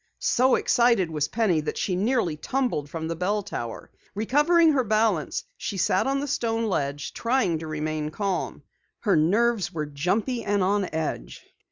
So excited was Penny that she nearly tumbled from the bell tower. Recovering her balance, she sat on the stone ledge, trying to remain calm. Her nerves were jumpy and on edge.